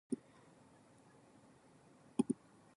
おいらがいくしかねえな